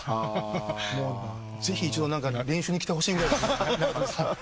ぜひ一度練習に来てほしいぐらい長友さん。